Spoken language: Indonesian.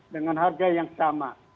dengan harga yang sama